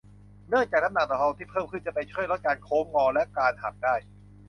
เนื่องจากน้ำหนักทองที่เพิ่มขึ้นจะไปช่วยลดการโค้งงอและการหักได้